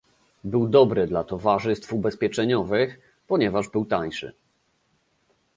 Był dobry dla towarzystw ubezpieczeniowych, ponieważ był tańszy